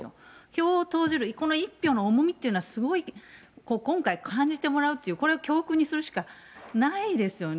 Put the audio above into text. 票を投じる、この一票の重みというのはすごい、今回感じてもらうっていう、これを教訓にするしかないですよね。